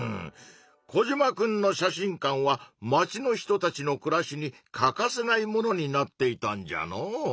コジマくんの写真館は町の人たちの暮らしに欠かせないものになっていたんじゃのう。